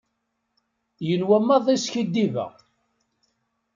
Yenwa maḍi skiddibeɣ.